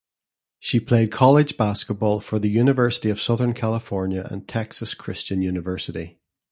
She played college basketball for the University of Southern California and Texas Christian University.